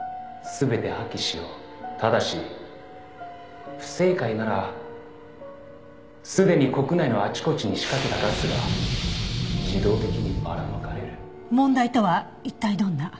「ただし不正解ならすでに国内のあちこちに仕掛けたガスが自動的にばらまかれる」問題とは一体どんな？